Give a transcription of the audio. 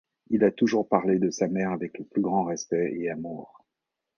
Il a toujours parlé de sa mère avec le plus grand respect et amour.